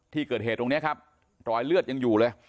ที่เกิดเหตุตรงนี้ครับรอยเลือดยังอยู่เลย